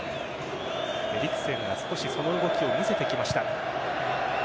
エリクセンが少しその動きを見せてきました。